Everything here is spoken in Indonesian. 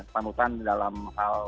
panutan dalam hal